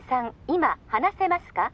今話せますか？